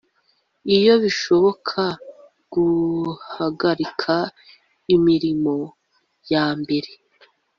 iyo bishoboka guhagarika imirimo yambere